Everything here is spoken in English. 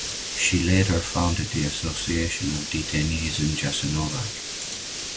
She later founded the Association of Detainees in Jasenovac.